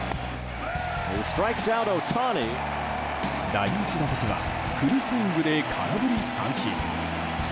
第１打席はフルスイングで空振り三振。